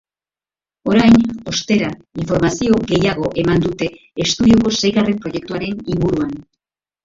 Orain, ostera, informazio gehiago eman dute estudioko seigarren proiektuaren inguruan.